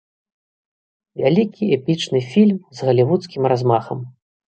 Вялікі эпічны фільм з галівудскім размахам.